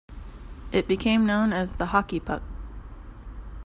It became known as "the hockey puck".